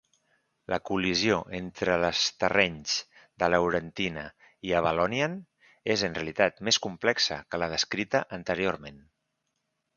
La col·lisió entre les terrenys de Laurentia i Avalonian és en realitat més complexa que la descrita anteriorment.